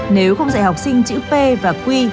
nếu không dạy học sinh chữ p và q